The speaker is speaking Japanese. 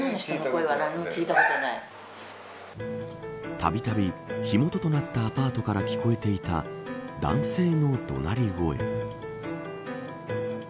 たびたび、火元となったアパートから聞こえていた男性の怒鳴り声。